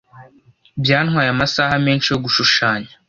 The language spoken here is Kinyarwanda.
Byantwaye amasaha menshi yo gushushanya.